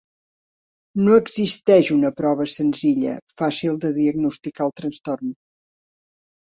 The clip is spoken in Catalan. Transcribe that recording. No existeix una prova senzilla, fàcil de diagnosticar el trastorn.